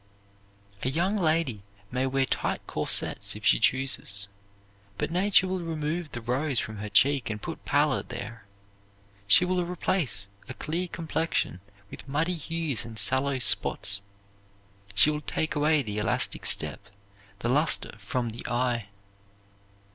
A young lady may wear tight corsets if she chooses, but Nature will remove the rose from her cheek and put pallor there. She will replace a clear complexion with muddy hues and sallow spots. She will take away the elastic step, the luster from the eye.